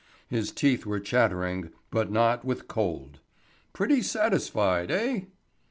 His teeth were chattering, but not with cold. "Pretty satisfied, eh?"